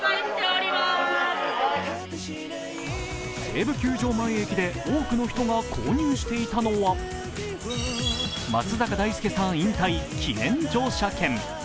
西武球場前駅で多くの人が購入していたのは、松坂大輔さん引退記念乗車券。